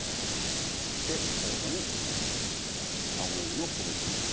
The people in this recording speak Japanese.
そして最後に青ねぎの小口切り